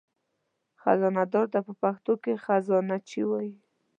خزانهدار ته په پښتو کې خزانهچي وایي.